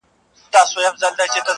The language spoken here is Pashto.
جهاني غزل دي نوی شرنګ اخیستی٫